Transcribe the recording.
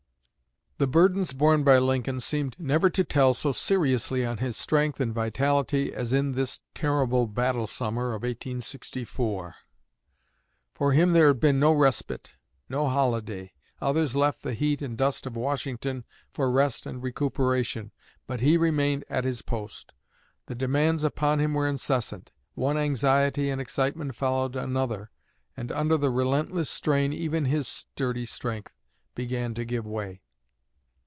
'" The burdens borne by Lincoln seemed never to tell so seriously on his strength and vitality as in this terrible battle summer of 1864. For him there had been no respite, no holiday. Others left the heat and dust of Washington for rest and recuperation; but he remained at his post. The demands upon him were incessant; one anxiety and excitement followed another, and under the relentless strain even his sturdy strength began to give way.